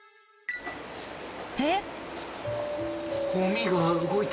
えっ？